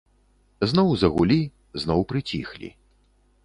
Зноў загулі, зноў прыціхлі.